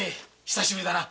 久しぶりだな。